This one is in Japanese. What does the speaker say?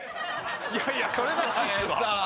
いやいやそれなしっすわ。